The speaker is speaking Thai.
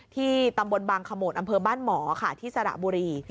ที่ตำบลบางขโมดอำเภอบ้านหมอค่ะที่สระบุรี